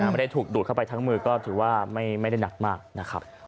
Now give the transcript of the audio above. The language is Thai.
ไม่ได้ถูกดูดเข้าไปทั้งมือก็ถือว่าไม่ได้หนักมากนะครับ